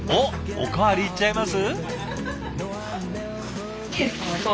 おかわりいっちゃいます？